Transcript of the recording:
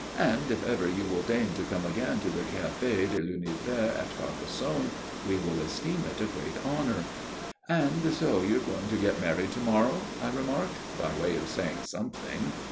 "And if ever you will deign to come again to the Café de l'Univers at Carcassonne we will esteem it a great honour." "And so you're going to get married to morrow?" I remarked, by way of saying something.